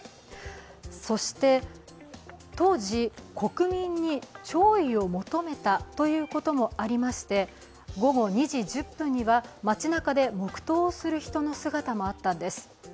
そして、当時、国民に弔意を求めたということもありまして、午後２時１０分には街なかで黙とうをする人の姿もあったんです。